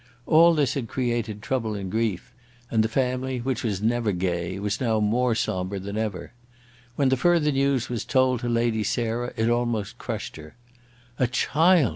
All this had created trouble and grief, and the family, which was never gay, was now more sombre than ever. When the further news was told to Lady Sarah it almost crushed her. "A child!"